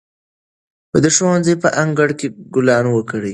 د ښوونځي په انګړ کې ګلان وکرئ.